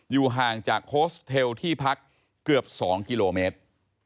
ห่างจากโฮสเทลที่พักเกือบ๒กิโลเมตร